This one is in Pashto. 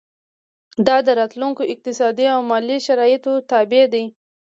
دا د راتلونکو اقتصادي او مالي شرایطو تابع دي.